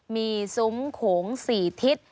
มีสุงขงสี่ทิศ